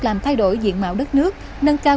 làm thay đổi diện mạo đất nước nâng cao